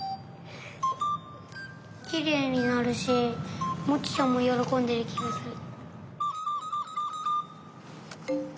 きれいになるしモチちゃんもよろんでるきがする。